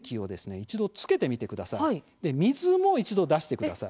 一度つけてみてください。